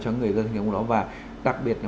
cho những người dân đang sinh sống ở đó và đặc biệt là